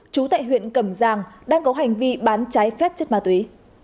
chú tệ huyện cẩm giàng đang có hành vi bán trái phép chất ma túy